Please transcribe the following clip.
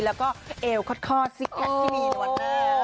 แล้วก็เอวคอดสิ๊กอัพที่ดีสวัสดี